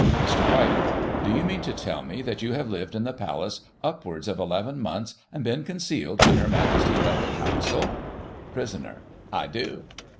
Mr. White: Do you mean to tell me that you have lived in the Palace upwards of 11 months^ and been concealed when Her Majesty held a Council? Prisoner: I do.